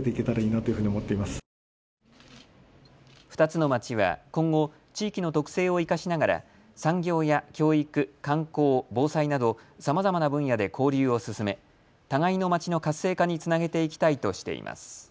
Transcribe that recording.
２つの町は今後、地域の特性を生かしながら産業や教育、観光、防災など、さまざまな分野で交流を進め互いの町の活性化につなげていきたいとしています。